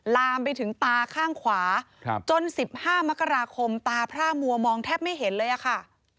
ลามไปถึงตาข้างขวาจน๑๕มกราคมตาพร่ามัวมองแทบไม่เห็นเลยอะค่ะ